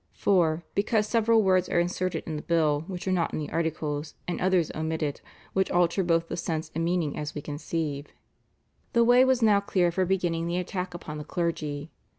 . (4) because several words are inserted in the bill, which are not in the Articles, and others omitted, which alter both the sense and meaning, as we conceive." The way was now clear for beginning the attack upon the clergy.